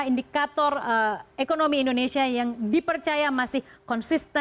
indikator ekonomi indonesia yang dipercaya masih konsisten